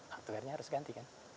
hardware nya harus ganti kan